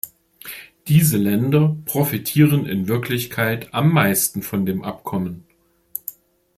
Diese Länder profitieren in Wirklichkeit am meisten von dem Abkommen.